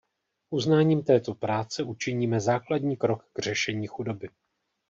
Uznáním této práce učiníme základní krok k řešení chudoby.